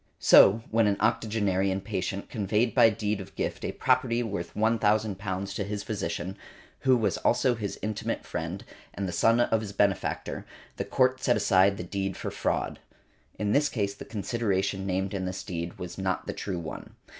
So, when an octogenarian patient conveyed by deed of gift a property worth £1,000 to his physician, who was also his intimate friend, and the son of his benefactor, the Court set aside the deed for fraud. (In this case the consideration named in this deed was not the true one.)